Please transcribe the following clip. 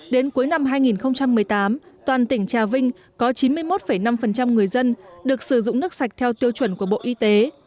đến cuối năm hai nghìn một mươi tám toàn tỉnh trà vinh có chín mươi một năm người dân được sử dụng nước sạch theo tiêu chuẩn của bộ y tế